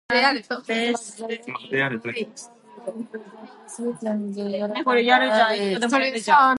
Wexford had been the All-Ireland runners-up on two occasions earlier in the decade.